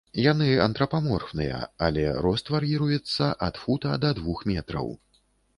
Яны антрапаморфныя, але рост вар'іруецца ад фута да двух метраў.